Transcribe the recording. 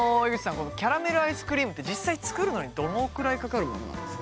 このキャラメルアイスクリームって実際作るのにどのくらいかかるものなんですか？